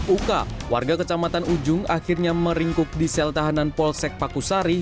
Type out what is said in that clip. uka warga kecamatan ujung akhirnya meringkuk di sel tahanan polsek pakusari